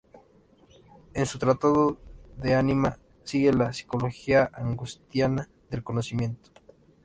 En su tratado "De anima" sigue la psicología agustiniana del conocimiento.